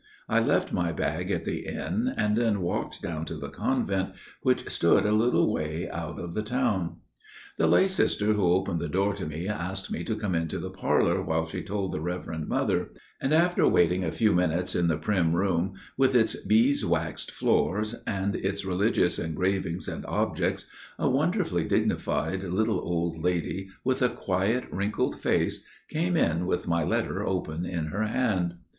I left my bag at the inn, and then walked down to the convent, which stood a little way out of the town. "The lay sister who opened the door to me asked me to come into the parlour while she told the Reverend Mother; and after waiting a few minutes in the prim room with its bees waxed floor and its religious engravings and objects, a wonderfully dignified little old lady, with a quiet wrinkled face, came in with my letter open in her hand.